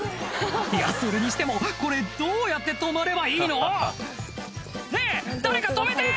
いやそれにしてもこれどうやって止まればいいの⁉ねぇ誰か止めて！